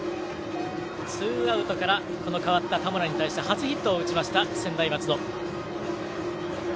ツーアウトから代わった田村に対して初ヒットを打ちました専大松戸。